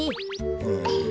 うん。